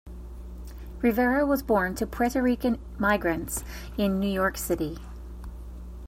Rivera was born to Puerto Rican migrants in New York City.